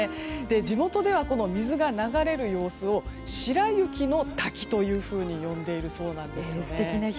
地元ではこの水が流れる様子を白雪の滝というふうに呼んでいるそうなんです。